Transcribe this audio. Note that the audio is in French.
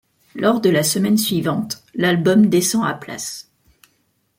Lors de la semaine suivante, l'album descend à place.